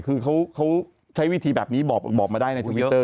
คือเขาใช้วิธีแบบนี้บอกมาได้ในทวิตเตอร์